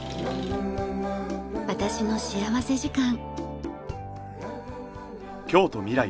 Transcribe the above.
『私の幸福時間』。